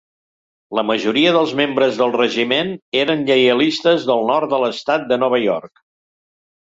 La majoria dels membres del regiment eren lleialistes del nord de l'estat de Nova York.